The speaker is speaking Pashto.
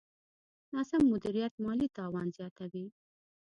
ناسم مدیریت مالي تاوان زیاتوي.